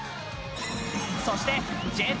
そしてＪ２